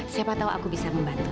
siapa tahu aku bisa membantu